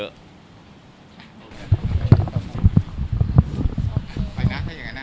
ไปนะถ้าอย่างนั้นนะ